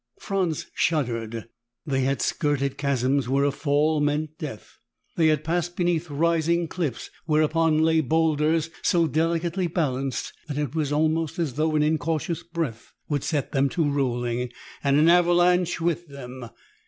Franz shuddered. They had skirted chasms where a fall meant death. They had passed beneath rising cliffs whereupon lay boulders so delicately balanced that it was almost as though an incautious breath would set them to rolling, and an avalanche with them.